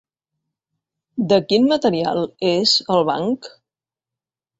De quin material és el banc?